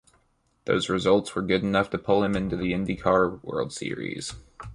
Those results were good enough to pull him to the Indy Car World Series.